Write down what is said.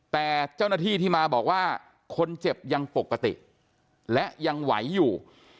แต่เจ้าหน้าที่ที่มาบอกว่าคนเจ็บยังปกติและยังไหวอยู่